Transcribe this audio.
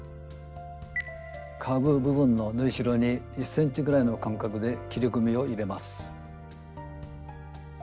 カーブ部分の縫いしろに１ｃｍぐらいの間隔で切り込みを入れます。